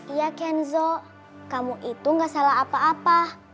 iya kenzo kamu itu gak salah apa apa